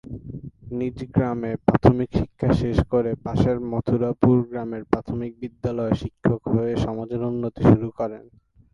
নিজে গ্রামে প্রাথমিক শিক্ষা শেষ করে পাশের মথুরাপুর গ্রামের প্রাথমিক বিদ্যালয়ে শিক্ষক হয়ে সমাজের উন্নতি শুরু করেন।